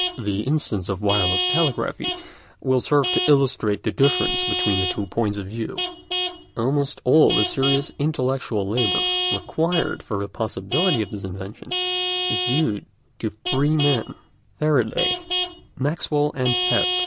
The instance of wireless telegraphy will serve to illustrate the difference between the two points of view. Almost all the serious intellectual labour required for the possibility of this invention is due to three men—Faraday, Maxwell, and Hertz.